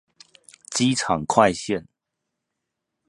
機場快線